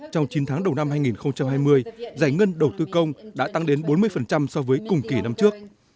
trong chín tháng đầu năm hai nghìn hai mươi giải ngân đầu tư công đã tăng đến bốn mươi so với cùng kỳ năm trước